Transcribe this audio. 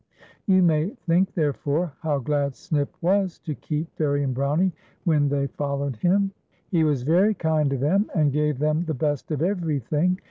You may think, therefore, how glad Snip was to keep Fairie and Brownie when they FAIRIE AND BROWXIE. 175 followed him. He was very kind to them, and gave them the best of everything.